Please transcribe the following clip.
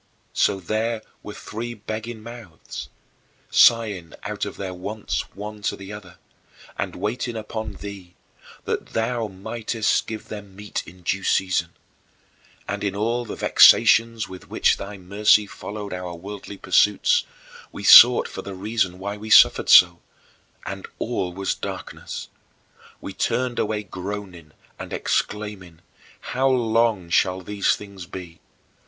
So there were three begging mouths, sighing out their wants one to the other, and waiting upon thee, that thou mightest give them their meat in due season. And in all the vexations with which thy mercy followed our worldly pursuits, we sought for the reason why we suffered so and all was darkness! We turned away groaning and exclaiming, "How long shall these things be?"